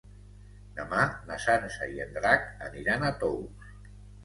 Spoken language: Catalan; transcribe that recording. Demà na Sança i en Drac aniran a Tous.